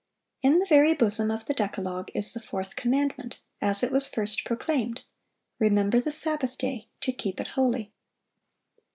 (718) In the very bosom of the decalogue is the fourth commandment, as it was first proclaimed: "Remember the Sabbath day, to keep it holy.